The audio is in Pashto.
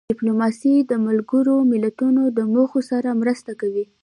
ډیپلوماسي د ملګرو ملتونو د موخو سره مرسته کوي.